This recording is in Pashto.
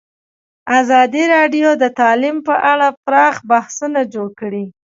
ازادي راډیو د تعلیم په اړه پراخ بحثونه جوړ کړي.